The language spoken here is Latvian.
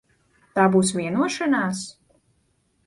Tā būs vienošanās?